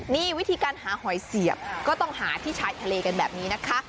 นี่วิธีการหาหอยเสียบก็ต้องหาที่ชายทะเลกันแบบนี้นะคะ